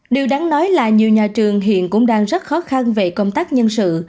điều đáng nói là nhiều nhà trường hiện cũng đang rất khó khăn về công tác nhân sự